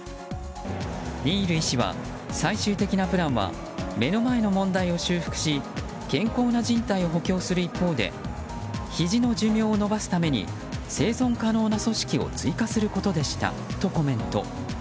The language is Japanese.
ニール医師は、最終的なプランは目の前の問題を修復し健康なじん帯を補強する一方でひじの寿命を延ばすために生存可能な組織を追加することでしたとコメント。